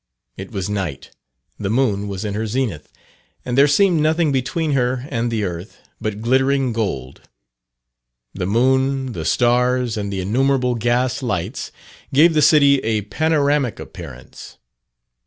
It was night, the moon was in her zenith, and there seemed nothing between her and the earth but glittering gold. The moon, the stars, and the innumerable gas lights, gave the city a panoramic appearance.